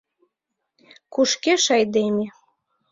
Кушкеш айдеме.